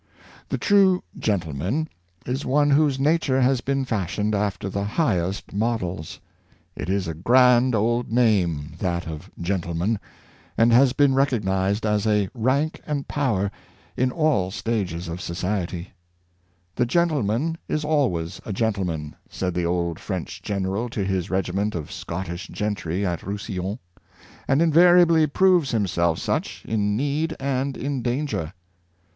The true gentleman is one whose nature has been fashioned after the highest models. It is a grand old name, that of gentleman, and has been recognized as a rank and power in all stages of society. '' The gentle Genile?nanly Qualities, 615 man is always a gentleman," said the old French gen eral to his regiment of Scottish gentry at Rousillon, " and invariably proves himself such in need and in danger."